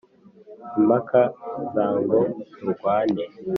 Impaka za ngo turwane,